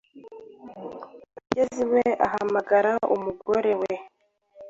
ageze iwe ahamagara umugore we